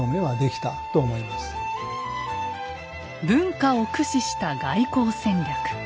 文化を駆使した外交戦略。